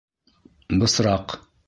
Бысраҡ.